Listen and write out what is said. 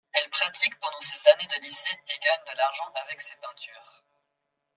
Elle pratique pendant ses années de lycée et gagne de l'argent avec ses peintures.